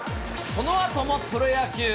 このあともプロ野球。